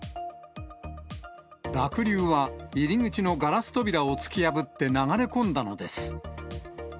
濁流は入り口のガラス扉を突き破って流れ込んだのです。